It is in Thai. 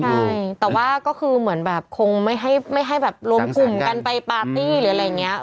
ใช่แต่ว่าก็คือเหมือนแบบคงไม่ให้แบบรวมกลุ่มกันไปปาร์ตี้หรืออะไรอย่างนี้